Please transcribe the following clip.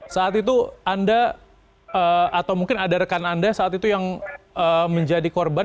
saat itu anda atau mungkin ada rekan anda saat itu yang menjadi korban